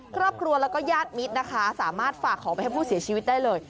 ครอบครัวแล้วก็ญาติมิตรนะคะสามารถฝากของไปให้ผู้เสียชีวิตได้เลย